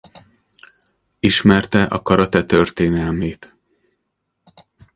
Ismerte a karate történelmét.